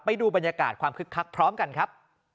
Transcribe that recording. ไปดูบรรยากาศความคึกคักพร้อมกันครับ